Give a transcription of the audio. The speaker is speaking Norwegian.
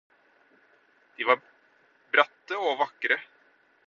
De var bratte og vakre.